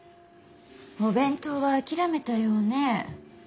お弁当は諦めたようね。